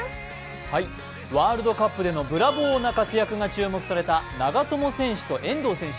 ワールドカップでのブラボーな活躍が注目された長友選手と遠藤選手。